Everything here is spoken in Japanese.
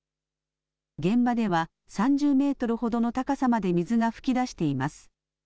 現場では３０メートルほどの高さまで水が噴き出しています。